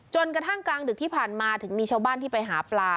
กระทั่งกลางดึกที่ผ่านมาถึงมีชาวบ้านที่ไปหาปลา